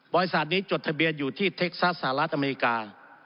บริษัทนี้จดทะเบียนอยู่ที่เท็กซัสสหรัฐอเมริกา